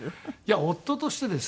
夫としてですか？